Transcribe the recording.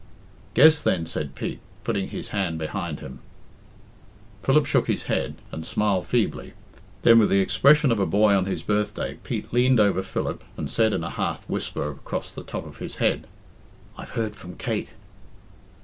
"Guess, then," said Pete, putting his hand behind him. Philip shook his head and smiled feebly. Then, with the expression of a boy on his birthday, Pete leaned over Philip, and said in a half whisper across the top of his head, "I've heard from Kate."